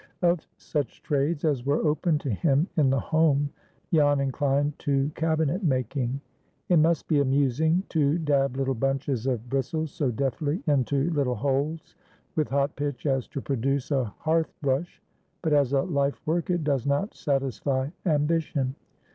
Of such trades as were open to him in the Home Jan inclined to cabinet making. It must be amusing to dab little bunches of bristles so deftly into little holes with hot pitch as to produce a hearth brush, but as a life work it does not satisfy ambition.